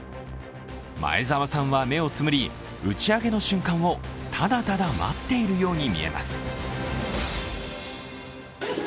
前澤さんは目をつむり、打ち上げの瞬間をただただ待っているように見えます。